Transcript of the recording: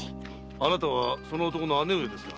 あなたはその男の姉上ですか？